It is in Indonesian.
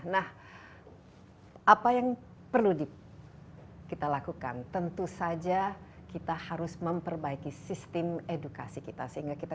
nah apa yang perlu di kita lakukan tentu saja kita harus memperbaiki sistem edukasi kita sehingga kita